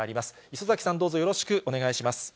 礒崎さん、どうぞよろしくお願いいたします。